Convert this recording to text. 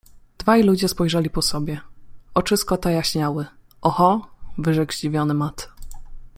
Dwaj ludzie spojrzeli po sobie. Oczy Scotta jaśniały. - Oho! - wyrzekł zdziwiony Matt